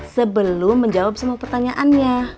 sebelum menjawab semua pertanyaannya